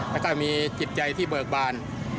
แล้วก็มีจิตใจที่เบิกบาน